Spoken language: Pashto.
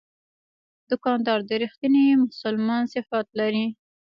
دوکاندار د رښتیني مسلمان صفات لري.